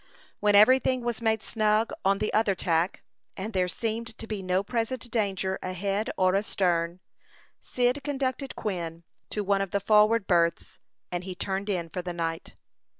When every thing was made snug on the other tack, and there seemed to be no present danger ahead or astern, Cyd conducted Quin to one of the forward berths, and he turned in for the night.